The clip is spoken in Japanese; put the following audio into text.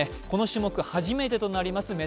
この種目初めてとなります